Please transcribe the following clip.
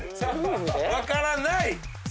分からない？